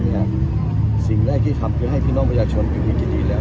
เนี่ยสิ่งแรกที่ทำเพื่อให้พี่น้องประชาชนมีวิจิติแล้ว